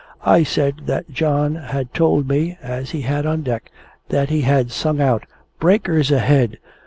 I said that John had told me (as he had on deck) that he had sung out "Breakers ahead!"